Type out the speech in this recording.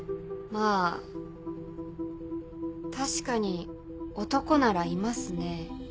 まぁ確かに男ならいますね。